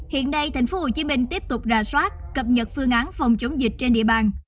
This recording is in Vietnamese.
hiện nay thành phố hồ chí minh tiếp tục ra soát cập nhật phương án phòng chống dịch trên địa bàn